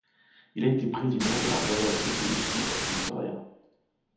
Il a été président de la Royal Society of Victoria.